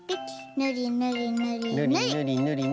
ぬりぬりぬりぬり。